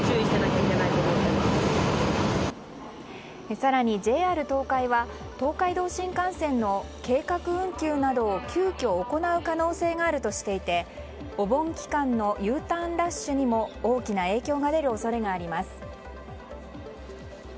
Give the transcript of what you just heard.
更にＪＲ東海は東海道新幹線の計画運休などを急きょ行う可能性があるとしていてお盆期間のＵターンラッシュにも大きな影響が出る恐れがあります。